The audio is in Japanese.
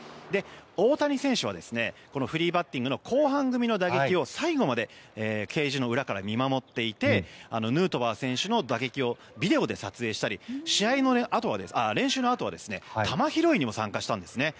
大谷選手はフリーバッティングの後半組の打撃を最後までケージの裏から見守っていてヌートバー選手の打撃をビデオで撮影したり練習のあとは球拾いにも参加したんですね。